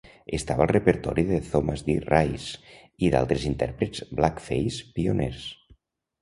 Estava al repertori de Thomas D. Rice i d'altres intèrprets "blackface" pioners.